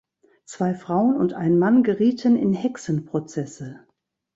Zwei Frauen und ein Mann gerieten in Hexenprozesse.